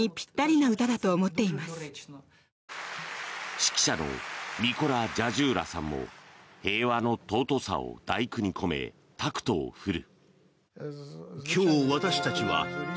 指揮者のミコラ・ジャジューラさんも平和の尊さを「第九」に込めタクトを振る。